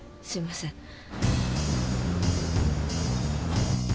すいません。